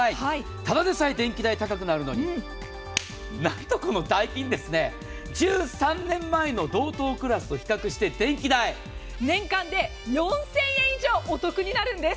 ただでさえ電気代高くなるのになんと、このダイキン１３年前の同等クラスと比較して年間で４０００円以上お得になるんです。